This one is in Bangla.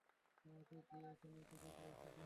আমাকে কি এখানেই খুঁজে পেয়েছিলে?